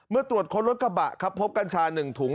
เมื่อตรวจค้นรถกระบะครับพบกัญชาหนึ่งถุง